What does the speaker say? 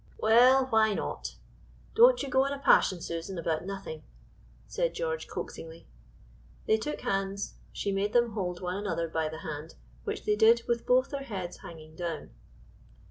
"Well, why not? don't you go in a passion, Susan, about nothing," said George coaxingly. They took hands; she made them hold one another by the hand, which they did with both their heads hanging down.